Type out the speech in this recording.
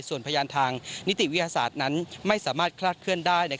ส่วนพยานทางนิติวิทยาศาสตร์นั้นไม่สามารถคลาดเคลื่อนได้